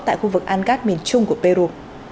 tại khu vực an gat miền trung của peru